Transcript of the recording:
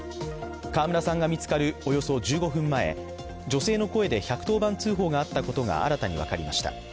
川村さんが見つかるおよそ１５分前、女性の声で１１０番通報があったことが新たに分かりました。